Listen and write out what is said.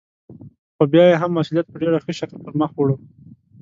خو بيا يې هم خپل مسئوليت په ډېر ښه شکل پرمخ وړه.